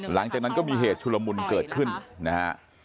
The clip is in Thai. หลังจากนั้นก็มีเหตุชุลมุนเกิดขึ้นนะฮะ